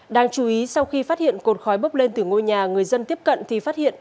đáng chú ý sau khi phát hiện cột khói bốc lên từ ngôi nhà người dân tiếp cận thì phát hiện